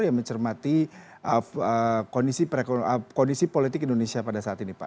yang mencermati kondisi politik indonesia pada saat ini pak